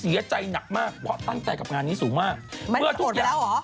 เองจี้แอปต์อีกแล้วเองจี้แอปต์อีกแล้ว